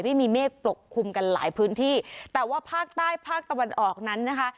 ไม่มีเมฆปกคลุมกันหลายพื้นที่แต่ว่าภาคใต้ภาคตะวันออกนั้นนะคะ